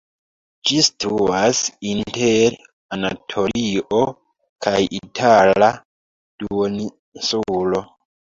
Ĝi situas inter Anatolio kaj Itala duoninsulo.